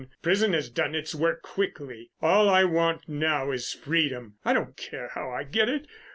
Prison has done its work quickly.... All I want now is freedom. I don't care how I get it.